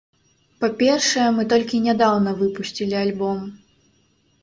Па-першае, мы толькі нядаўна выпусцілі альбом.